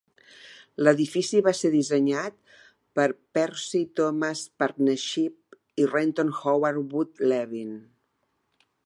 L'edifici va ser dissenyat per Percy Thomas Partnership i Renton Howard Wood Levin.